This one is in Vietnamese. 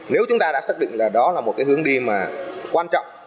nếu chúng ta đã xác định là đó là một cái hướng đi mà quan trọng